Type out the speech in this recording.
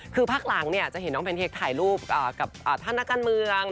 คือพักหลังจะเห็นน้องแพนเค้กถ่ายรูปกับท่านนักการเมือง